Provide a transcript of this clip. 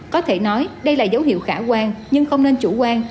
có thể nói đây là dấu hiệu khả quan nhưng không nên chủ quan